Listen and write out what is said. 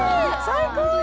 ・最高！